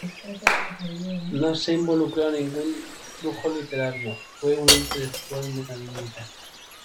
No se involucró a ningún flujo literario; fue un intelectual independiente.